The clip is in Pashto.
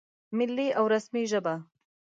ملي او رسمي ژبه